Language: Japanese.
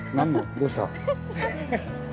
どうした？